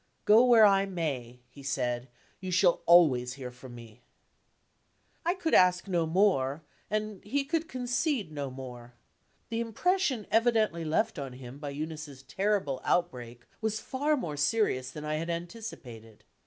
"Go where I may," he said, "you shall always hear from me." I could ask no more, and he could concede no more. The impression evidently left on him by Eunice's terrible outbreak, was far more serious than I had anticipated.